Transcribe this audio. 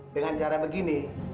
dengan cara begini